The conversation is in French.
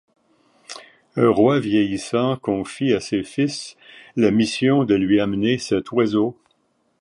Un roi vieillissant confie à ses fils la mission de lui amener cet oiseau.